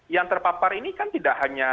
yang terpapar ini kan tidak hanya